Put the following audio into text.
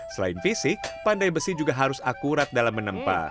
selain fisik pandai besi juga harus akurat dalam menempa